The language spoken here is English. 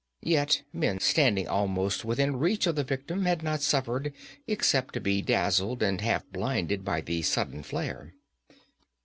Yet men standing almost within reach of the victim had not suffered except to be dazzled and half blinded by the sudden flare.